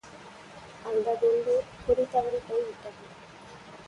அந்தக் குண்டு குறிதவறிப்போய் விட்டது.